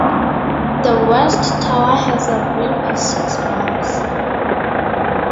The west tower has a ring of six bells.